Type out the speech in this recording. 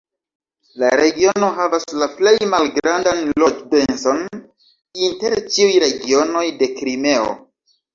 La regiono havas la plej malgrandan loĝ-denson inter ĉiuj regionoj de Krimeo.